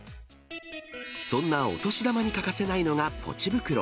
そんなお年玉に欠かせないのがポチ袋。